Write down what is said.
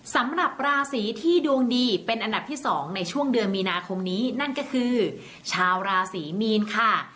สำหรับราศีที่ดวงดีเป็นอันดับที่๒ในช่วงเดือนมีนาคมนี้นั่นก็คือชาวราศรีมีนค่ะ